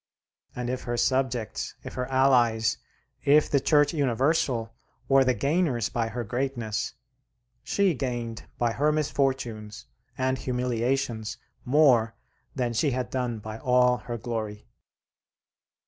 And if her subjects, if her allies, if the Church Universal were the gainers by her greatness, she gained by her misfortunes and humiliations more than she had done by all her glory.